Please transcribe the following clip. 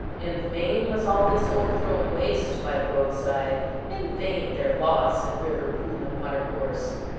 In vain was all this overthrow and waste by the road side; in vain their loss in river, pool, and watercourse.